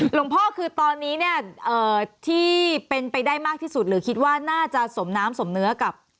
หลวงพ่อคือตอนนี้เนี่ยที่เป็นไปได้มากที่สุดหรือคิดว่าน่าจะสมน้ำสมเนื้อกับ